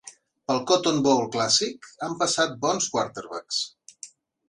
Pel Cotton Bowl Classic han passat bons quarterbacks.